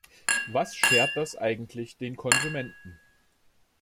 Was schert das eigentlich den Konsumenten?